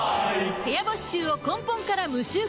部屋干し臭を根本から無臭化